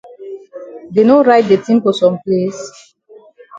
Dey no write de tin for some place?